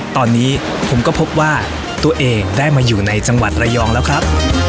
ตอนนี้ผมก็พบว่าตัวเองได้มาอยู่ในจังหวัดระยองแล้วครับ